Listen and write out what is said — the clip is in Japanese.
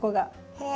へえ。